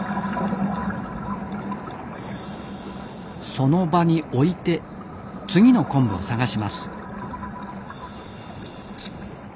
その場に置いて次の昆布を探します。